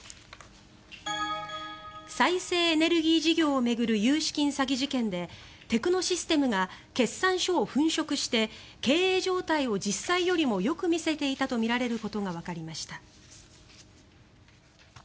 再生エネルギー事業を巡る融資金詐欺事件でテクノシステムが決算書を粉飾して経営状態を実際よりもよく見せていたとみられることがわかりました。